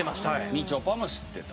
みちょぱも知ってた。